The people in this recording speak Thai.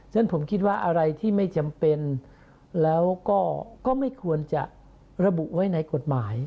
ฉะผมคิดว่าอะไรที่ไม่จำเป็นแล้วก็ไม่ควรจะระบุไว้ในกฎหมาย